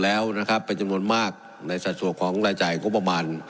แล้วนะครับเป็นจำนวนมากในสัดส่วนของรายจ่ายงบประมาณ